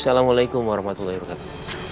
assalamualaikum warahmatullahi wabarakatuh